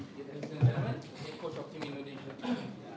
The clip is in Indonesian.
bagaimana pendapat mia tentang periraku marino siang di akhir